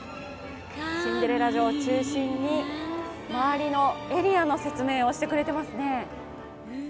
シンデレラ城を中心に周りのエリアの説明をしてくれています。